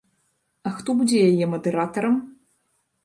А хто будзе яе мадэратарам?